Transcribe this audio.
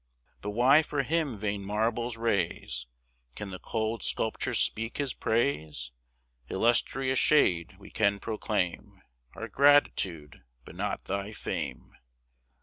But why for him vain marbles raise? Can the cold sculpture speak his praise? Illustrious shade! we can proclaim Our gratitude, but not thy fame.